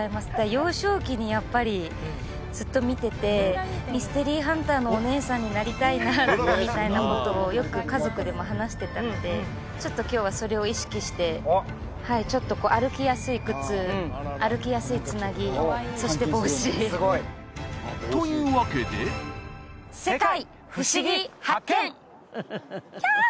幼少期にやっぱりずっと見ててミステリーハンターのお姉さんになりたいなみたいなことをよく家族でも話してたのでちょっと今日はそれを意識してはいちょっと歩きやすい靴歩きやすいつなぎそして帽子すごい！というわけでキャー！